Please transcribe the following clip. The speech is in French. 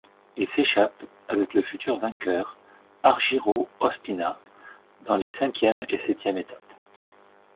Il s'échappe avec le futur vainqueur Argiro Ospina dans les cinquième et septième étapes.